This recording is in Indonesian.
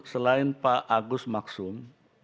selain pak agus maksum